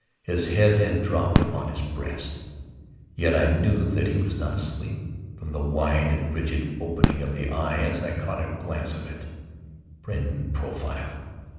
His head had dropped upon his breast—yet I knew that he was not asleep, from the wide and rigid opening of the eye as I caught a glance of it in profile.